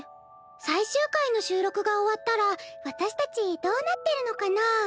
最終回の収録が終わったら私たちどうなってるのかな？